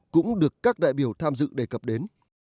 cũng được các đại biểu tham dự đề cập đến